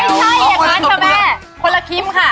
ไม่ใช่เหมือนกันใช่ไหมคนละคิมค่ะ